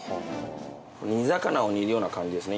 煮魚を煮るような感じですね